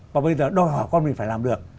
và bây giờ đòi hỏi con mình phải làm được